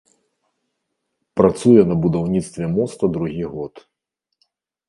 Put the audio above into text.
Працуе на будаўніцтве моста другі год.